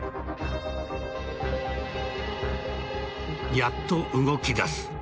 やっと動き出す。